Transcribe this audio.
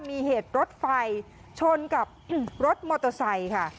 มีเหตุรถไฟชนกับรถมอเตอร์ไซค์ค่ะ